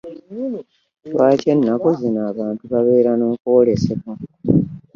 Lwaki ennaku zino abantu babeera n'okolesebwa?